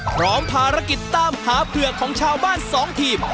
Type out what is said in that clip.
พร้อมภารกิจตามหาเผือกของชาวบ้าน๒ทีม